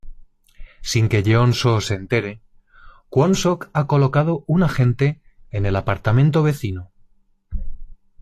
Sin que Yeon-soo se entere, Kwon-sook ha colocado un agente en el apartamento vecino.